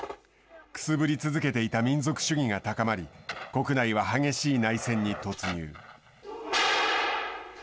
くすぶり続けていた民族主義が高まり国内は激しい内戦に突入。